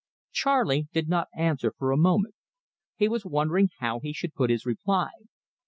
Charley did not answer for a moment. He was wondering how he should put his reply.